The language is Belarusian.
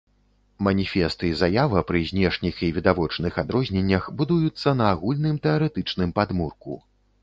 Маніфест і заява пры знешніх і відавочных адрозненнях, будуюцца на агульным тэарэтычным падмурку.